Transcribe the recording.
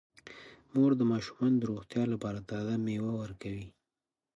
مور د ماشومانو د روغتیا لپاره تازه میوه ورکوي.